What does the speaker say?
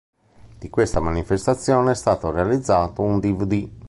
Di questa manifestazione è stato realizzato un dvd.